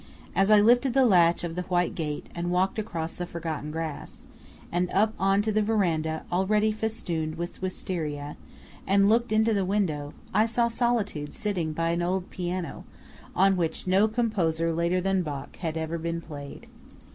As I lifted the latch of the white gate and walked across the forgotten grass, and up on to the veranda already festooned with wistaria, and looked into the window, I saw Solitude sitting by an old piano, on which no composer later than Bach had ever been played.